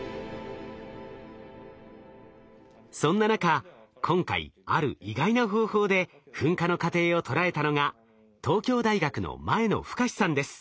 そんな中今回ある意外な方法で噴火の過程を捉えたのが東京大学の前野深さんです。